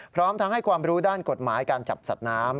พร้อมทั้งให้ความรู้ด้านกฎหมายการจับสัตว์น้ำ